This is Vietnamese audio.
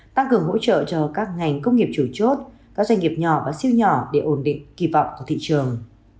tăng cường hỗ trợ cho các ngành công nghiệp chủ chốt các doanh nghiệp nhỏ và siêu nhỏ để ổn định kỳ vọng của thị trường